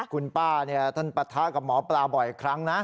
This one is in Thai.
คุณป้าเนี่ยท่านปัฒนากับหมอปลาบ่อยเวลาครั้งนะ